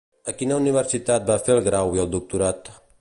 A quina universitat va fer el grau i el doctorat?